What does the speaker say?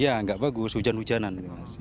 ya nggak bagus hujan hujanan